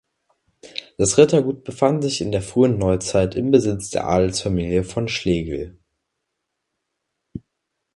Das Rittergut befand sich in der Frühen Neuzeit im Besitz der Adelsfamilie von Schlegel.